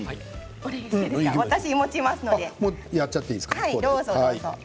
やっちゃっていいですか。